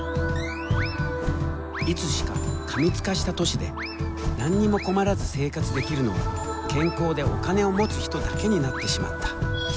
いつしか過密化した都市で何にも困らず生活できるのは健康でお金を持つ人だけになってしまった。